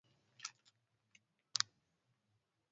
kulevya Wazo la mtazamo wa maendeleo kama ilivyotajwa na